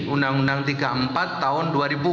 undang undang tiga puluh empat tahun dua ribu empat